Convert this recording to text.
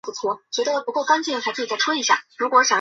详情可参看香港节日与公众假期。